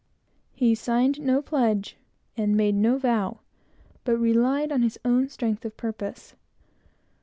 He signed no pledge, and made no vow, but relied on his own strength of purpose.